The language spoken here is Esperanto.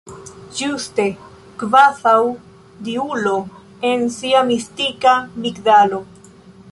Ĝuste: kvazaŭ diulo en sia mistika migdalo.